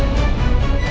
nih ga ada apa apa